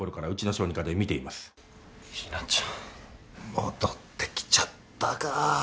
戻ってきちゃったか。